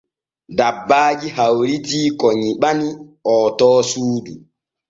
Dabbaaji hawritii ko nyiɓani hootoor suudu.